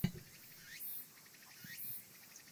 Alizitaja Sekta nyingine kuwa ni ukulima wa mwani